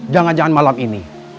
jangan jangan malam ini